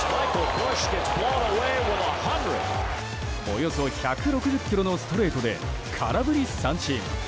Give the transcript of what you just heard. およそ１６０キロのストレートで空振り三振。